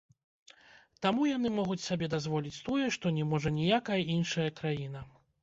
Таму яны могуць сабе дазволіць тое, што не можа ніякая іншая краіна.